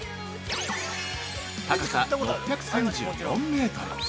高さ６３４メートル。